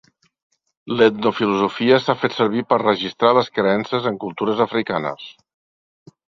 L'etnofilosofia s'ha fet servir per registrar les creences en cultures africanes.